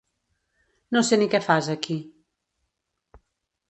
No sé ni què fas aquí.